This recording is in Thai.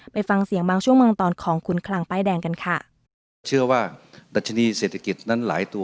ไปฟังเสียงบางช่วงมังตอนของคุณคลังป้ายแดงกันค่ะ